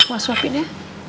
mau suapin ya